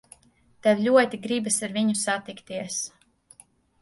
Tev ļoti gribas ar viņu satikties.